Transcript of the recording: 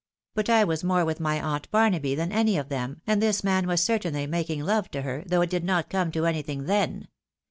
But I was more with my aunt Barnaby than any of them, and this man was certainly making love to her, though it did not come to anything then.